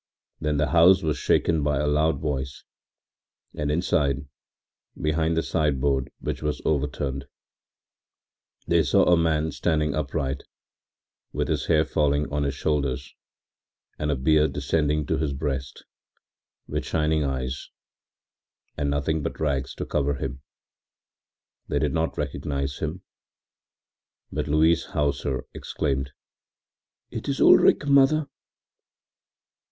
Then the house was shaken by a loud voice, and inside, behind the side board which was overturned, they saw a man standing upright, with his hair falling on his shoulders and a beard descending to his breast, with shining eyes, and nothing but rags to cover him. They did not recognize him, but Louise Hauser exclaimed: “It is Ulrich, mother.